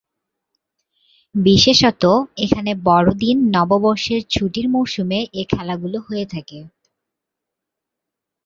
বিশেষতঃ এখানে বড়দিন-নববর্ষের ছুটির মৌসুমে এ খেলাগুলো হয়ে থাকে।